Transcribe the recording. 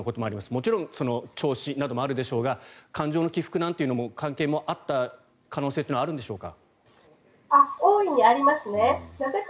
もちろん調子などもありますでしょうが感情の起伏なんていう関係もあった可能性はあるんでしょうか。